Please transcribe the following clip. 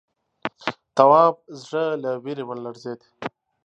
تواب زړه له وېرې ولړزېد.